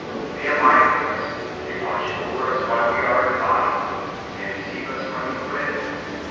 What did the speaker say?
They abide with us, they watch over us while we are in the body, they receive us when we quit it.